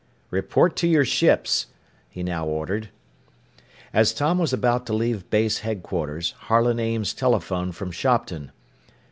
"Report to your ships," he now ordered. As Tom was about to leave base headquarters, Harlan Ames telephoned from Shopton.